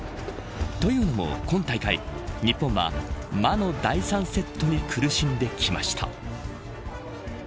というのも、今大会日本は魔の第３セットに苦しんできました。